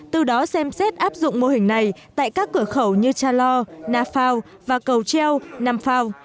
từ đó xem xét áp dụng mô hình này tại các cửa khẩu như cha lo nafao và cầu treo nam phao